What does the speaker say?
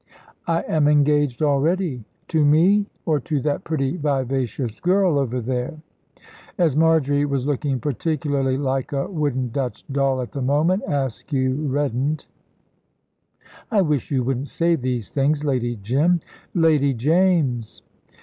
"I am engaged already." "To me, or to that pretty, vivacious girl over there?" As Marjory was looking particularly like a wooden Dutch doll at the moment, Askew reddened. "I wish you wouldn't say these things, Lady Jim " "Lady James!"